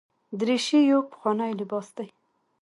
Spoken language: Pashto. دریشي یو پخوانی لباس دی.